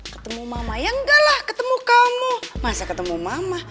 ketemu mama ya enggak lah ketemu kamu masa ketemu mama